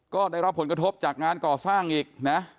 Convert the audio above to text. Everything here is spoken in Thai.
ก็ได้รับผลกระทบจากงานก่อสร้างอีกนะ